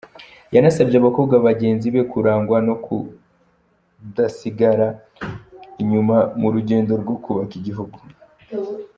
Yanasabye abakobwa bagenzi be kurangwa no kudasigara inyuma mu rugendo rwo kubaka igihugu.